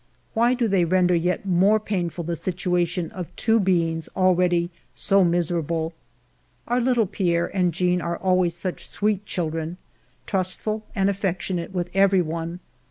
Why do they render yet more painful the situation of two beings al ready so miserable ?... Our little Pierre and Jeanne are always such sweet children, trustful and affectionate with every one.